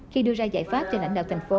khi đưa ra giải pháp cho lãnh đạo thành phố